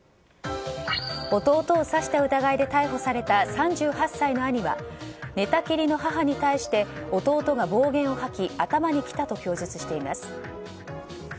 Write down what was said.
弟を刺した疑いで逮捕された３８歳の兄は寝たきりの母に対して弟が暴言を吐き頭にきたと供述しています。